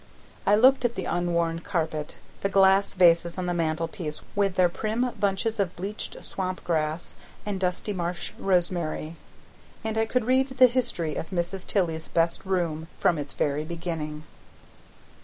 I looked at the unworn carpet, the glass vases on the mantelpiece with their prim bunches of bleached swamp grass and dusty marsh rosemary, and I could read the history of Mrs. Tilley's best room from its very beginning.